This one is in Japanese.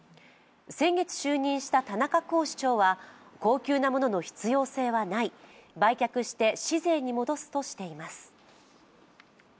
先月就任した田中甲市長は高級なものの必要性はない、売却して市税に戻すとしています。